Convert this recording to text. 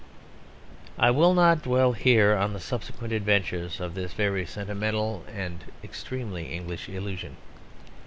I will not dwell here on the subsequent adventures of this very sentimental and extremely English illusion.